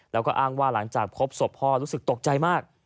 แล้วก็อ้างว่าหลังจากพบศพพ่อรู้สึกตกใจมาก